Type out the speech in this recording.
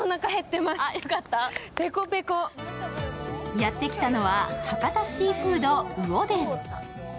やってきたのは、博多シーフードうお田。